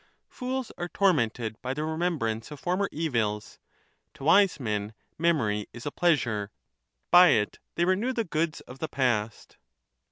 Fools are tormented by the remembrance of former evils; to wise men memory is a pleasure— by it they renew the goods of the past.